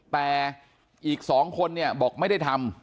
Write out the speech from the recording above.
แต่อีกสองคนบอกไม่ได้ทำ